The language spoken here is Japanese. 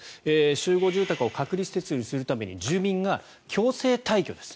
集合住宅を隔離施設にするために住民が強制退去です。